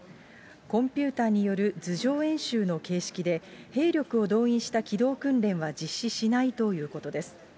コンピューターによる図上演習の形式で、兵力を動員した機動訓練は実施しないということです。